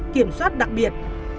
kiểm soát đặc biệt